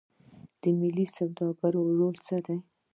د ملي سوداګرو رول څه دی؟